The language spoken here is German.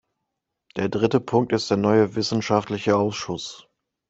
Der dritte Punkt ist der neue Wissenschaftliche Ausschuss.